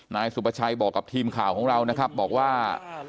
นายสุประชัยบอกกับทีมข่าวของเรานะครับบอกว่า